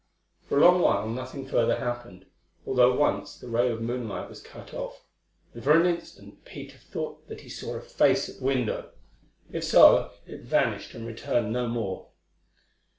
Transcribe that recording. For a long while nothing further happened, although once the ray of moonlight was cut off, and for an instant Peter thought that he saw a face at the window. If so, it vanished and returned no more.